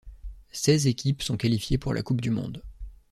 Seize équipes sont qualifiées pour la Coupe du monde.